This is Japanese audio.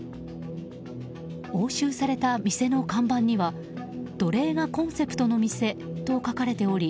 押収された店の看板には奴隷がコンセプトの店と書かれており